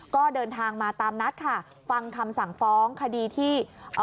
ก็เดินทางมาตามนัดค่ะฟังคำสั่งฟ้องคดีที่เอ่อ